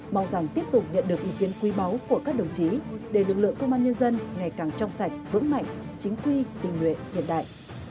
mong rằng tiếp tục nhận được ý kiến quý báu của các đồng chí để lực lượng công an nhân dân ngày càng trong sạch vững mạnh chính quy tình nguyện hiện đại